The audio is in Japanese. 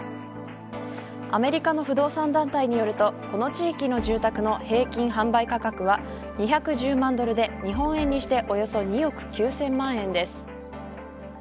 アメリカの不動産団体によるとこの地域の住宅の平均販売価格は２１０万ドルで、日本円にしておよそ２億９０００万円です。